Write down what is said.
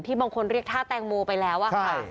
บางคนเรียกท่าแตงโมไปแล้วอะค่ะ